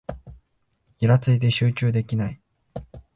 イラついて集中できない